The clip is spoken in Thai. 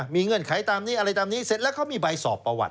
มีเงื่อนไขตามนี้อะไรตามนี้เสร็จแล้วเขามีใบสอบประวัติ